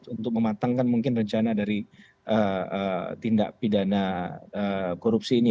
untuk mematangkan mungkin rencana dari tindak pidana korupsi ini